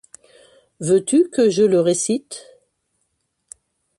Veux-tu que je le récite ?